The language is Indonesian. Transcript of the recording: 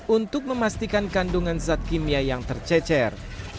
untuk memastikan kandungan zat kimia yang tercecer